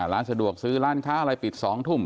ร้านสะดวกซื้อร้านค้าอะไรปิด๒ทุ่ม